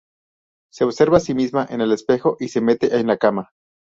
Se observa a sí misma en el espejo y se mete en la cama.